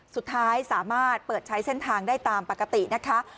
สุดท้ายสามารถเปิดใช้เส้นทางได้ตามปกตินะคะ